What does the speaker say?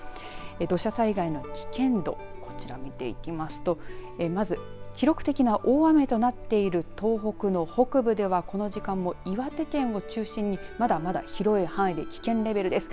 土砂災害の危険度こちら見ていきますとまず記録的な大雨となっている東北の北部ではこの時間も岩手県を中心にまだまだ広い範囲で危険レベルです。